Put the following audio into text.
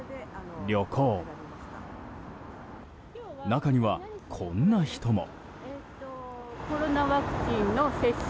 中にはこんな人も。